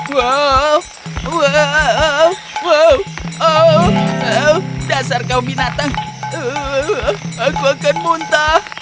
woh woh woh dasar kau binatang aku akan muntah